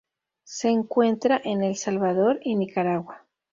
Se encuentra en El Salvador y Nicaragua.